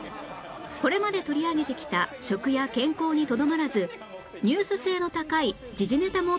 これまで取り上げてきた食や健康にとどまらずニュース性の高い時事ネタも取り上げます